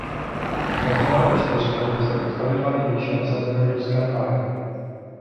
Ve finále čtyřhry se utkaly dva nejvýše nasazené ruské páry.